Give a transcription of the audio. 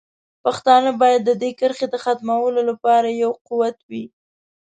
پښتانه باید د دې کرښې د ختمولو لپاره یو قوت وي.